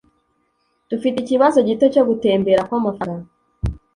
Dufite ikibazo gito cyo gutembera kw'amafaranga